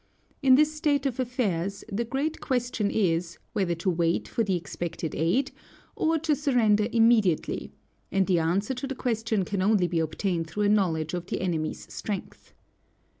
In this state of affairs, the great question is, whether to wait for the expected aid, or to surrender immediately, and the answer to the question can only be obtained through a knowledge of the enemy's strength.